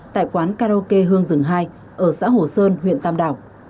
tại quán karaoke hương rừng hai ở xã hồ sơn huyện tam đảo